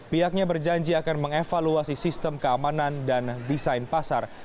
pihaknya berjanji akan mengevaluasi sistem keamanan dan desain pasar